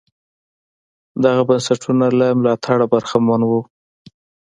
دغه بنسټونه له ملاتړه برخمن وو.